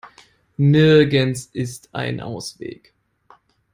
Nirgends ist ein Ausweg.